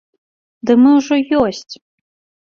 Ды мы ўжо ёсць!